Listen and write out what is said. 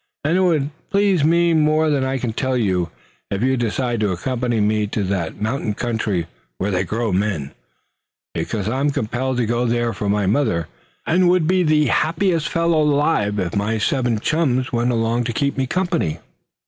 And it would please me more than I can tell you, if you decided to accompany me to that mountain country where they grow men; because I am compelled to go there for my mother, and would be the happiest fellow alive if my seven chums went along to keep me company."